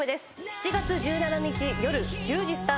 ７月１７日夜１０時スタート。